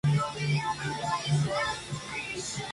Aunque popularmente aún se siguen recordando con su antiguo nombre.